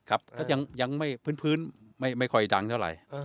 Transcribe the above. ครับก็ยังไม่พื้นไม่ค่อยดังเท่าไหร่